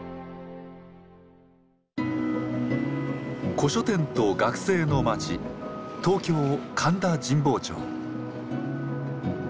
古書店と学生の街東京神田神保町。